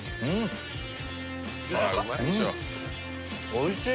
おいしい！